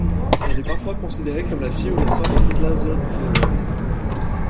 Elle est parfois considérée comme la fille ou la sœur de Tlazoltéotl.